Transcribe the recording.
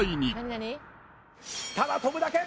ただ跳ぶだけ！